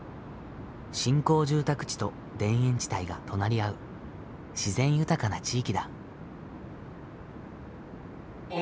新興住宅地と田園地帯が隣り合う自然豊かな地域だ。